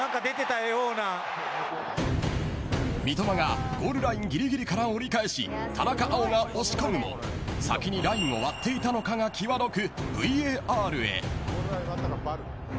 三笘がゴールラインぎりぎりから折り返し田中碧が押し込むも先にラインを割っていたのかがきわどくＶＡＲへ。